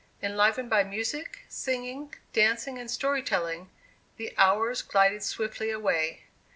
Enlivened by music, singing, dancing and story telling, the hours glided swiftly away.